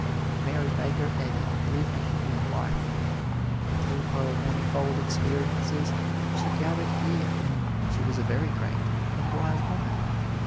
Mary Baker Eddy lived a human life. Through her manifold experiences she gathered gear she was a very great and wise woman.